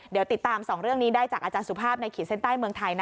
เดี๋ยวติดตาม๒เรื่องนี้ได้จากอาจารย์สุภาพในขีดเส้นใต้เมืองไทย